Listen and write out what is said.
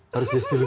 harus di setirkan